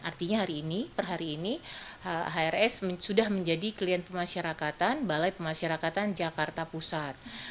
artinya hari ini per hari ini hrs sudah menjadi klien pemasyarakatan balai pemasyarakatan jakarta pusat